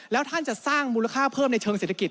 แล้วท่านจะสร้างมูลค่าเพิ่มในเชิงเศรษฐกิจ